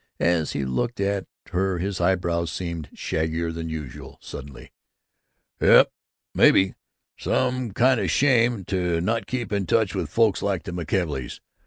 As he looked at her his eyebrows seemed shaggier than usual. Suddenly: "Yes, maybe Kind of shame to not keep in touch with folks like the McKelveys.